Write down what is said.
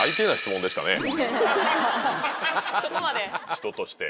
人として。